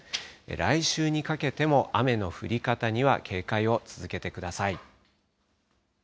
来週にかけても雨の降り方には警戒を続けてください。